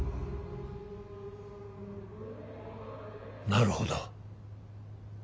なるほど。